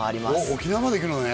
沖縄まで行くのね